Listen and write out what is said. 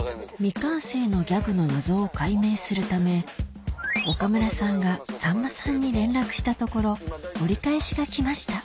未完成のギャグの謎を解明するため岡村さんがさんまさんに連絡したところ折り返しが来ました